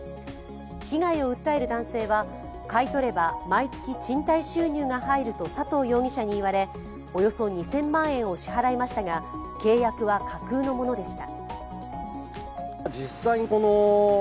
被害を訴える男性は、買い取れば毎年、賃貸収入が入ると佐藤容疑者に言われおよそ２０００万円を支払いましたが、契約は架空のものでした。